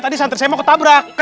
tadi santri saya mau ketabrak